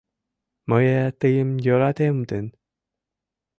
Мые тыйым йӧратем тын